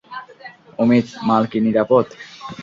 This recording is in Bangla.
অমিত, মাল কি নিরাপদ?